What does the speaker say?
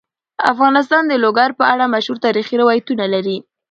افغانستان د لوگر په اړه مشهور تاریخی روایتونه لري.